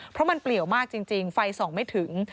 เพราะมันเปลี่ยวมากจริงไฟส่องไม่ถึง